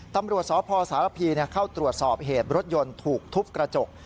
ตำรวจสพสารพีเข้าตรวจสอบเหตุรถยนต์ถูกทุบกระจก